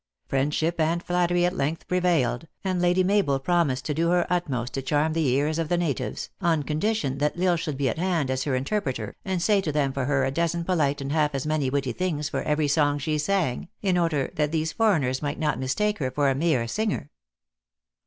Friendship and flattery at length prevailed, and Lady Mabel prom ised to do her utmost to charm the ears of the natives, on condition that L Isle should be at hand as her in terpreter, and say to them for her a dozen polite and half as many witty things for every song she sang, in order that these foreigners might not mistake her for a mere singer.